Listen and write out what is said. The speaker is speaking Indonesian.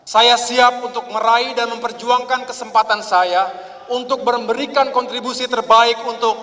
saya siap untuk meraih dan memperjuangkan kesempatan saya untuk memberikan kontribusi terbaik untuk